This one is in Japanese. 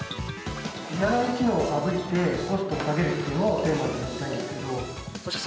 いらない機能を省いてコストを下げるっていうのをテーマにやりたいんですけど。